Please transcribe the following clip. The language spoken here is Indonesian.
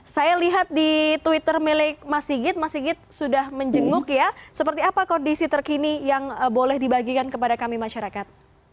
saya lihat di twitter milik mas sigit mas sigit sudah menjenguk ya seperti apa kondisi terkini yang boleh dibagikan kepada kami masyarakat